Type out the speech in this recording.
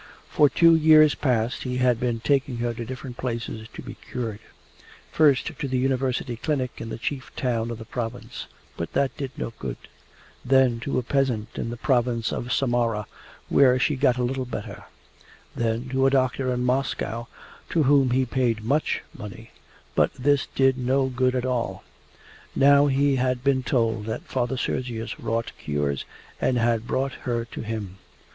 For two years past he had been taking her to different places to be cured: first to the university clinic in the chief town of the province, but that did no good; then to a peasant in the province of Samara, where she got a little better; then to a doctor in Moscow to whom he paid much money, but this did no good at all. Now he had been told that Father Sergius wrought cures, and had brought her to him.